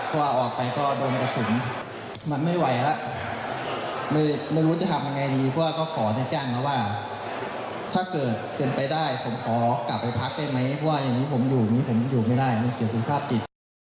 เพราะว่าออกไปก็โดนกระสุนมันไม่ไหวแล้วไม่รู้จะทำยังไงดี